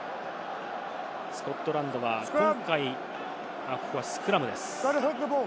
スコットランドはここはスクラムです。